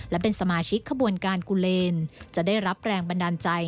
และเป็นสมาชิกขบวนการกุเลนจะได้รับแรงบันดาลใจ